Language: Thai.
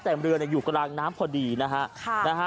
แต่เรืออยู่กลางน้ำพอดีนะฮะ